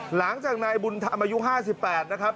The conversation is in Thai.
หลังจากนายบูนดามายุ๕๘น่ะครับ